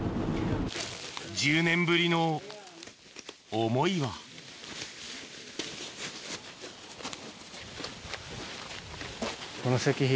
１０年ぶりの思いはこの先。